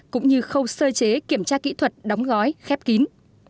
cũng như khâu sơ chế kiểm tra kỹ thuật đóng gói khép kín